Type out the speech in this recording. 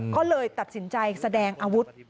ก็เลยตัดสินใจแสดงอาวุธ